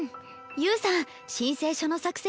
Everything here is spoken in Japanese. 侑さん申請書の作成